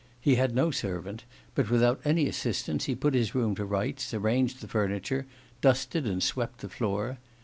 He had no servant; but without any assistance he put his room to rights, arranged the furniture, dusted and swept the floor.